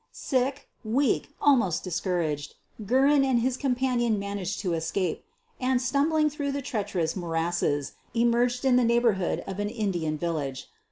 Sick, weak, almost discouraged, Guerin and his companion managed to escape, and, stumbling through the treacherous morasses, emerged in the neighborhood of an Indian village.